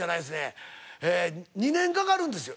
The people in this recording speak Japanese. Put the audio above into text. ２年かかるんですよ。